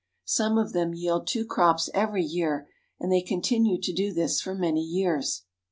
Some of them yield two crops every year, and they continue to do this for many years.